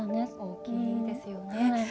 大きいですよね。